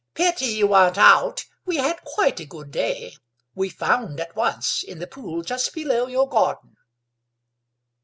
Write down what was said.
"Pity you weren't out; we had quite a good day. We found at once, in the pool just below your garden."